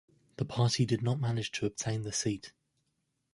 The party did not manage to obtain the seat.